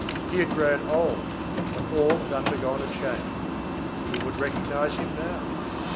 He had grown old, and all had undergone a change. Who would recognize him now?